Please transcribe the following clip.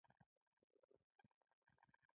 کوږ نیت خداي ته نه خوښیږي